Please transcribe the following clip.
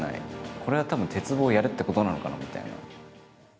これはたぶん、鉄棒をやれってことなのかなみたいな。